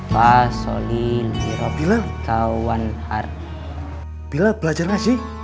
bila belajar masih